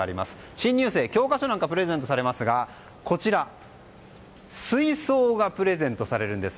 新入生、教科書なんかをプレゼントされますがこちら水槽がプレゼントされるんです。